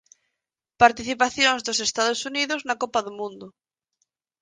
Participacións dos Estados Unidos na Copa do Mundo.